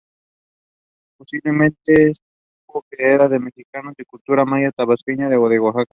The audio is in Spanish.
Posiblemente este grupo era de mexicanos de cultura Maya Tabasqueña o de Oaxaca.